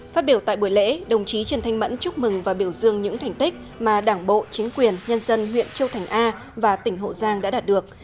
phát biểu tại buổi lễ đồng chí trần thanh mẫn chúc mừng và biểu dương những thành tích mà đảng bộ chính quyền nhân dân huyện châu thành a và tỉnh hậu giang đã đạt được